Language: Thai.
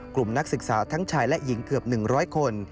นักศึกษาทั้งชายและหญิงเกือบ๑๐๐คน